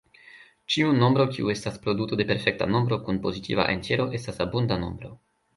Ĉiu nombro kiu estas produto de perfekta nombro kun pozitiva entjero estas abunda nombro.